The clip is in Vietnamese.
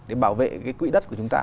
để bảo vệ cái quỹ đất của chúng ta